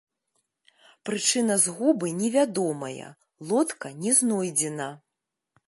Прычына згубы невядомая, лодка не знойдзена.